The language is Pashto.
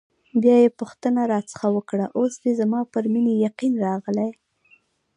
بیا یې پوښتنه راڅخه وکړه: اوس دې زما پر مینې یقین راغلی؟